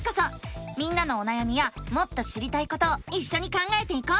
みんなのおなやみやもっと知りたいことをいっしょに考えていこう！